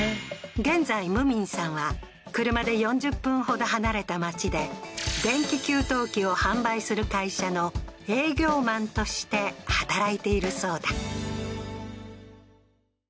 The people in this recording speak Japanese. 現在無民さんは車で４０分ほど離れた町で電気給湯器を販売する会社の営業マンとして働いているそうだ